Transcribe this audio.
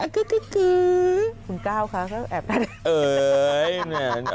คุณเกล้าคะแอบนั่น